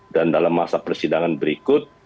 dan dalam masa persidangan berikut